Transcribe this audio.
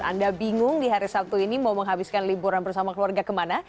anda bingung di hari sabtu ini mau menghabiskan liburan bersama keluarga kemana